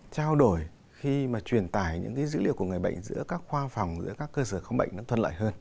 trao đổi khi mà truyền tải những cái dữ liệu của người bệnh giữa các khoa phòng giữa các cơ sở khám bệnh nó thuận lợi hơn